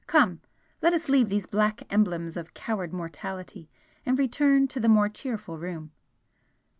Come, let us leave these black embers of coward mortality and return to the more cheerful room."